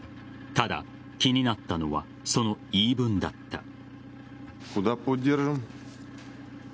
ただ、気になったのはその言い分だった。